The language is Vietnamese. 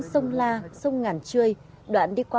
sông la sông ngàn trươi đoạn đi qua